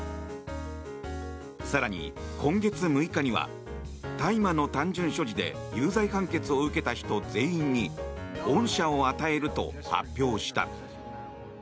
更に今月６日には大麻の単純所持で有罪判決を受けた人全員に恩赦を与えると発表した。